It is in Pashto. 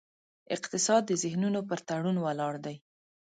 اقتصاد د ذهنونو پر تړون ولاړ دی.